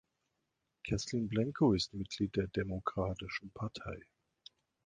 Kathleen Blanco ist Mitglied der Demokratischen Partei.